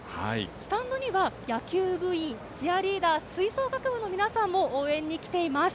スタンドには野球部員チアリーダー吹奏楽部の皆さんも応援に来ています。